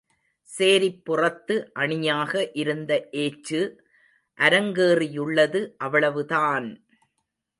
சேரிப்புறத்து அணியாக இருந்த ஏச்சு, அரங்கேறியுள்ளது அவ்வளவுதான்!